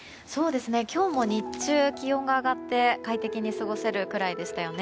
今日も日中気温が上がって快適に過ごせるくらいでしたよね。